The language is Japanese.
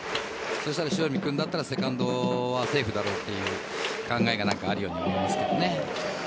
そしたら塩見君だったらセカンドはセーフだろうという考えがあるように見えます。